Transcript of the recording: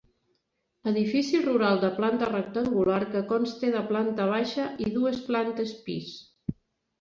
Edifici rural de planta rectangular que consta de planta baixa i dues plantes pis.